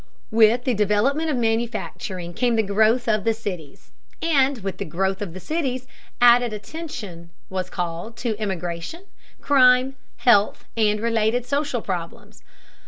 With the development of manufacturing came the growth of the cities, and with the growth of the cities added attention was called to immigration, crime, health, and related social problems.